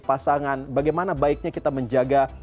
pasangan bagaimana baiknya kita menjaga